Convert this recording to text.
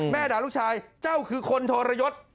ด่าลูกชายเจ้าคือคนโทรยศ